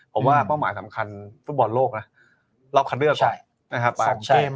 ผมว่าเป้าหมายสำคัญฟุตบอลโลกรอบคันเรือก่อน